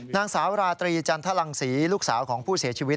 นางสาวราตรีจันทรังศรีลูกสาวของผู้เสียชีวิต